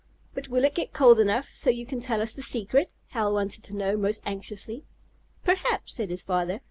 "But will it get cold enough so you can tell us the secret?" Hal wanted to know, most anxiously. "Perhaps," said his father.